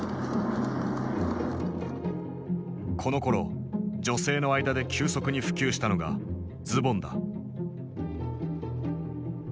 このころ女性の間で急速に普及したのがズボンだ。